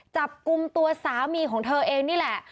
จับกลุ่มตัวสามีของเธอเองนี่แหละ